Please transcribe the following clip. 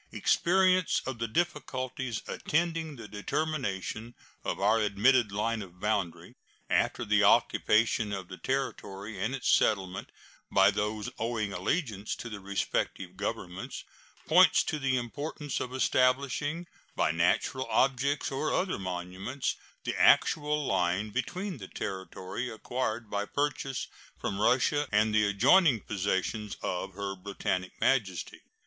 Experience of the difficulties attending the determination of our admitted line of boundary, after the occupation of the territory and its settlement by those owing allegiance to the respective Governments, points to the importance of establishing, by natural objects or other monuments, the actual line between the territory acquired by purchase from Russia and the adjoining possessions of Her Britannic Majesty.